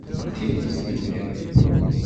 D tidet i d-tenniḍ.